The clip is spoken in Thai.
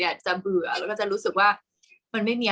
กากตัวทำอะไรบ้างอยู่ตรงนี้คนเดียว